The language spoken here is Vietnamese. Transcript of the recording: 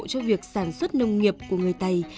cho việc sản xuất nông nghiệp của người tày